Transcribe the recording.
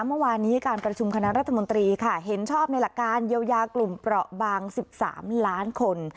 เมื่อวานนี้การประชุมคณะรัฐมนตรีค่ะเห็นชอบในหลักการเยียวยากลุ่มเปราะบาง๑๓ล้านคน